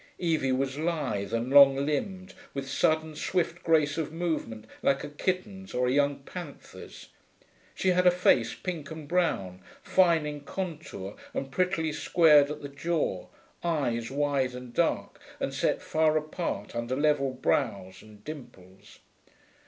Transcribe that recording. Evie was lithe and long limbed, with sudden, swift grace of movement like a kitten's or a young panther's. She had a face pink and brown, fine in contour, and prettily squared at the jaw, eyes wide and dark and set far apart under level brows, and dimples.